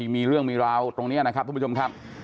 มีเรื่องมีราวตรงนี้นะครับทุกผู้ชมครับ